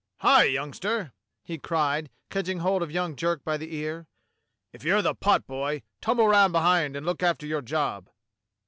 Hi, youngster!" he cried, catching hold of young Jerk by the ear, "if you're the potboy, tumble round behind and look after your job."